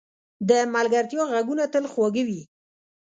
د ملګرتیا ږغونه تل خواږه وي.